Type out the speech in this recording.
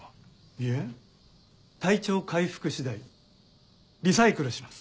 いえ体調回復次第リサイクルします。